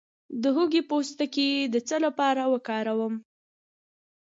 د هوږې پوستکی د څه لپاره وکاروم؟